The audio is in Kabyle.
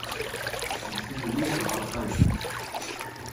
Seg tedwilt γer tayeḍ.